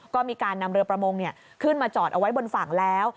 ก็มีการนำเรือประมงขึ้นมาจอดเอาไว้บนฝั่งแล้ว